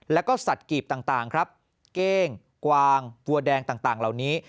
แล้วก็สัตว์กีบต่างครับเก้งกวางวัวแดงต่างเหล่านี้